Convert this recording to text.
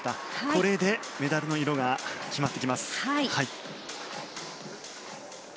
これでメダルの色が決まってきます。